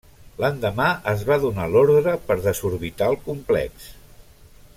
L'endemà es va donar l'ordre per desorbitar el complex.